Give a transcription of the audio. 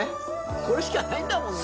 これしかないんだもんね。